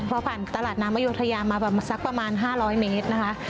พอผ่านตลาดน้ำอยุธยามาประมาณสักประมาณ๕๐๐เมตรนะคะ